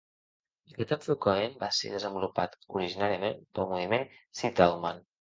Aquest enfocament va ser desenvolupat originàriament pel moviment settlement.